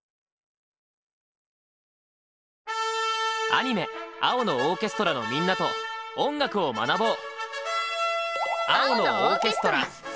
アニメ「青のオーケストラ」のみんなと音楽を学ぼう！